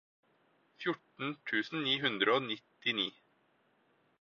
fjorten tusen ni hundre og nittini